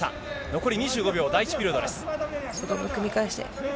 残り２５秒、第１ピリオドです。